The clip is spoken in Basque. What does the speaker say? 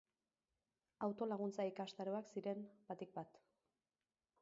Autolaguntza ikastaroak ziren, batik bat.